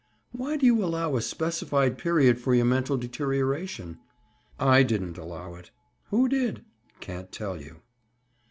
"Why do you allow a specified period for your mental deterioration?" "I didn't allow it." "Who did?" "Can't tell you."